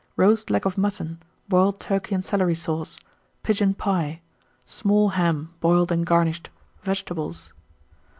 Roast Leg of Mutton. Boiled Turkey and Celery Sauce. Pigeon Pie. Small Ham, boiled and garnished. Vegetables.